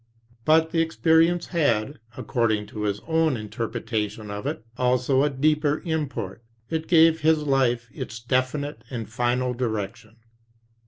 But the experience had, according to his own interpretation of it, also a deeper import. It gave his life its definite and final direction.